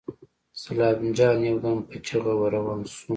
سلام جان يودم په چيغه ور روان شو.